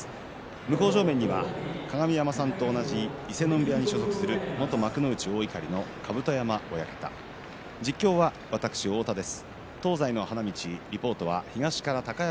向正面には鏡山さんと同じ伊勢ノ海部屋に所属する元幕内の大碇の甲山親方です。